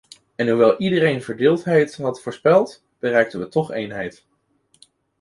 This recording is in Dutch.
En hoewel iedereen verdeeldheid had voorspeld, bereikten we toch eenheid.